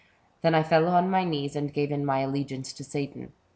Then I fell on my knees and gave in my allegiance to Satan.